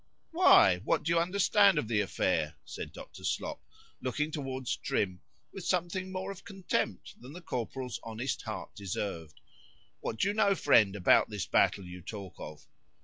——Why? what do you understand of the affair? said Dr. Slop, looking towards Trim, with something more of contempt than the Corporal's honest heart deserved.——What do you know, friend, about this battle you talk of?